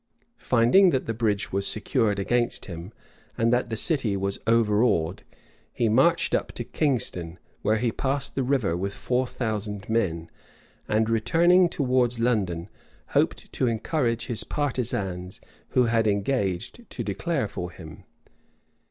Finding that the bridge was secured against him, and that the city was overawed, he marched up to Kingston, where he passed the river with four thousand men; and returning towards London, hoped to encourage his partisans who had engaged to declare for him.